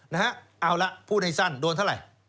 เอาละพูดให้สั้นโดนเท่าไหร่